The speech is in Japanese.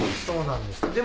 そうなんです。